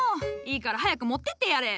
いいから早く持ってってやれ。